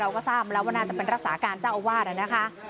เราก็ทราบแล้วว่าน่าจะเป็นรักษาการเจ้าอาวาสนะคะ